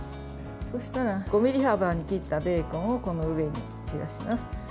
そうしたら５ｍｍ幅に切ったベーコンをこの上に散らします。